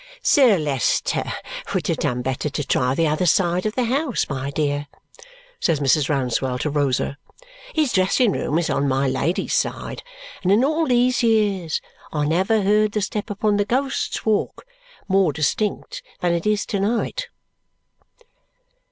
"Sir Leicester would have done better to try the other side of the house, my dear," says Mrs. Rouncewell to Rosa. "His dressing room is on my Lady's side. And in all these years I never heard the step upon the Ghost's Walk more distinct than it is to night!"